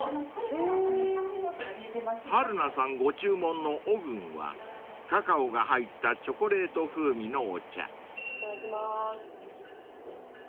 ［春菜さんご注文のＯｇｕｎはカカオが入ったチョコレート風味のお茶］いただきます。